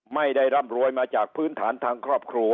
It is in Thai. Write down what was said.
ร่ำรวยมาจากพื้นฐานทางครอบครัว